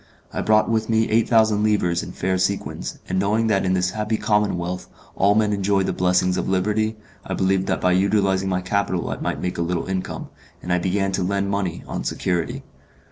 I brought with me eight thousand livres in fair sequins, and knowing that in this happy commonwealth all men enjoyed the blessings of liberty, I believed that by utilizing my capital I might make a little income, and I began to lend money, on security.